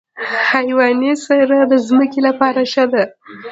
حیواني سره د ځمکې لپاره ښه ده.